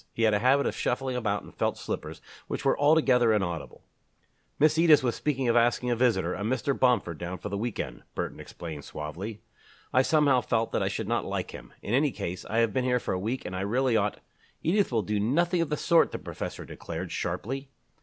He had a habit of shuffling about in felt slippers which were altogether inaudible. "Miss Edith was speaking of asking a visitor a Mr. Bomford down for the week end," Burton explained suavely. "I somehow felt that I should not like him. In any case, I have been here for a week and I really ought " "Edith will do nothing of the sort," the professor declared, sharply.